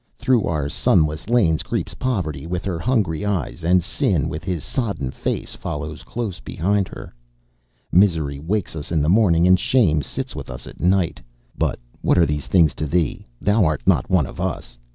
Through our sunless lanes creeps Poverty with her hungry eyes, and Sin with his sodden face follows close behind her. Misery wakes us in the morning, and Shame sits with us at night. But what are these things to thee? Thou art not one of us.